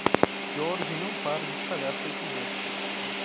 Jorge não para de espalhar fake news